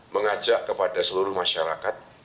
mengajak kepada seluruh masyarakat